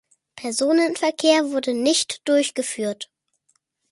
Personenverkehr wurde nicht durchgeführt.